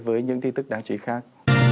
với những tin tức đáng chú ý khác